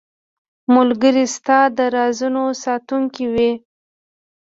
ملګری ستا د رازونو ساتونکی وي.